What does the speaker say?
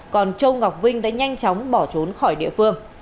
còn châu ngọc vinh đã nhanh chóng bỏ trốn khỏi địa phương